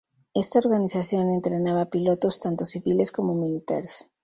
Esta organización entrenaba pilotos tanto civiles como militares.